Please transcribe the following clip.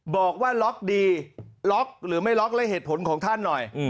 บอกว่าล็อกดีล็อกหรือไม่ล็อกและเหตุผลของท่านหน่อย